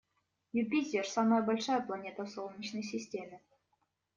Юпитер - самая большая планета в Солнечной системе.